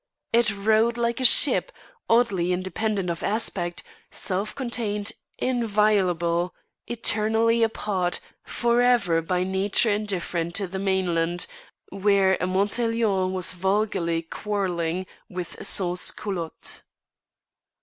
It rode like a ship, oddly independent of aspect, self contained, inviolable, eternally apart, for ever by nature indifferent to the mainland, where a Montaiglon was vulgarly quarrelling with sans culottes.